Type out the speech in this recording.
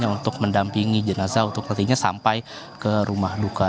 untuk mendampingi jenazah untuk nantinya sampai ke rumah duka